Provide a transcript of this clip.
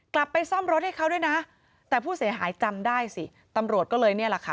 กลับไปซ่อมรถให้เขาด้วยนะแต่ผู้เสียหายจำได้สิตำรวจก็เลยเนี่ยแหละค่ะ